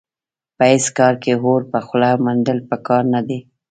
په هېڅ کار کې اور په خوله منډل په کار نه دي.